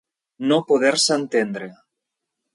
No poder-se entendre.